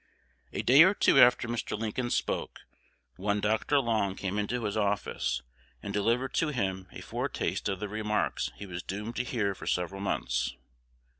A day or two after Mr. Lincoln spoke, one Dr. Long came into his office, and delivered to him a foretaste of the remarks he was doomed to hear for several months.